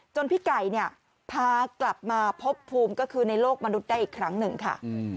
พี่ไก่เนี่ยพากลับมาพบภูมิก็คือในโลกมนุษย์ได้อีกครั้งหนึ่งค่ะ